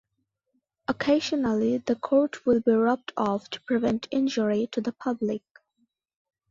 Occasionally the court will be roped off to prevent injury to the public.